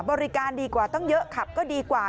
บริการต้องดีกว่าเงี่ยกำลังขับก็ดีกว่า